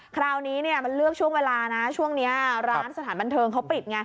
คราวนี้มันเลือกช่วงเวลานะช่วงนี้ร้านสถานบันเทิงเขาปิดไง